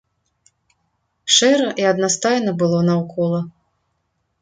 Шэра і аднастайна было наўкола.